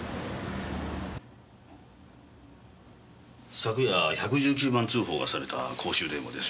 昨夜１１９番通報がされた公衆電話です。